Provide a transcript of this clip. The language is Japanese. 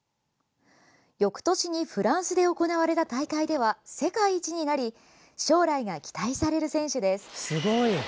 よくとしにフランスで行われた大会では世界一になり将来が期待される選手です。